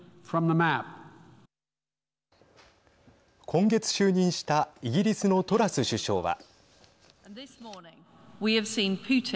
今月、就任したイギリスのトラス首相は。